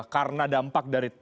karena dampak dari